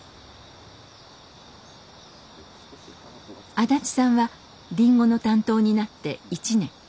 安達さんはリンゴの担当になって１年。